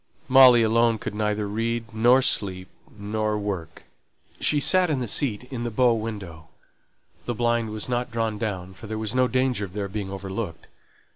Molly alone could neither read, nor sleep, nor work. She sate in the seat in the bow window; the blind was not drawn down, for there was no danger of their being overlooked.